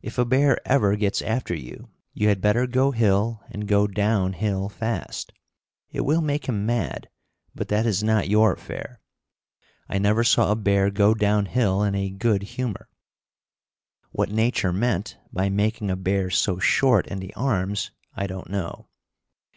If a bear ever gets after you, you had better go hill and go down hill fast. It will make him mad, but that is not your affair. I never saw a bear go down hill in a good humor. What nature meant by making a bear so short in the arms I don't know.